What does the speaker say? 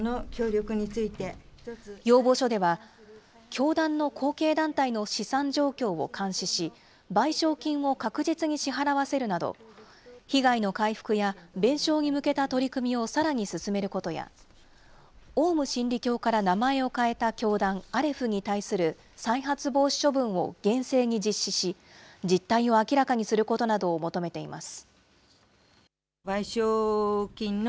要望書では、教団の後継団体の資産状況を監視し、賠償金を確実に支払わせるなど、被害の回復や弁償に向けた取り組みをさらに進めることや、オウム真理教から名前を変えた教団、アレフに対する再発防止処分を厳正に実施し、実態を明らかにすることなどを求めています。